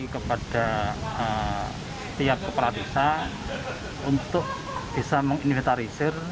kepada setiap kepala desa untuk bisa menginventarisir